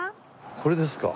これですか？